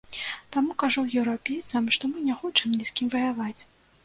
Таму кажу еўрапейцам, што мы не хочам ні з кім ваяваць.